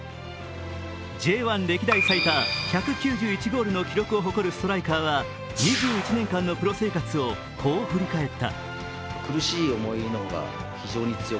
Ｊ１歴代最多１９１ゴールの記録を持つ彼は２１年間のプロ生活をこう振り返った。